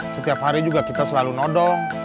setiap hari juga kita selalu nodong